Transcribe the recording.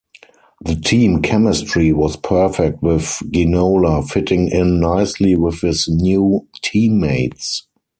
The team chemistry was perfect with Ginola fitting in nicely with his new teammates.